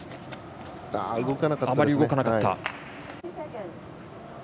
あまり動かなかった。